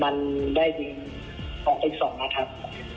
มันได้ยิงออกอีกสองครับ